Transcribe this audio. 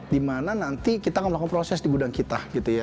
di mana nanti kita akan melakukan proses di gudang kita